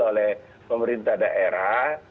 oleh pemerintah daerah